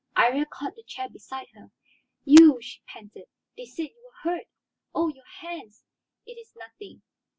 Iría caught the chair beside her. "You," she panted. "They said you were hurt. Oh, your hands " "It is nothing."